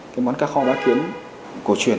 cái món cá kho bá kiến cổ truyền